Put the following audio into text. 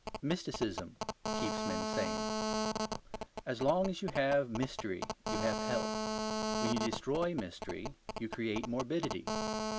Mysticism keeps men sane. As long as you have mystery you have health; when you destroy mystery you create morbidity.